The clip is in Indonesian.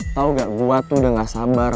tau gak buat tuh udah gak sabar